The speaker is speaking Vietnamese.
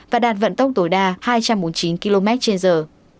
và đạt vận tốc tối đa hai trăm bốn mươi chín km trên giờ